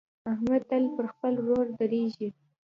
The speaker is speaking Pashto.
احمد تل پر خپل ورور درېږي.